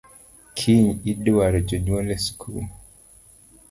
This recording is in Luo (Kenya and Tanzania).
Kiny idwaro jonyuol e school